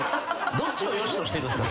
どっちをよしとしてるんすか。